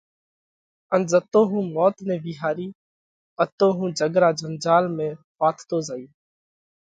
ان زتو هُون موت نئہ وِيهارِيه اتو هُون جڳ را جنجال ۾ ڦاٿتو زائِيه۔